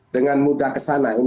dengan mudah kesana